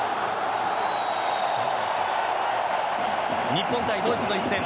日本対ドイツの一戦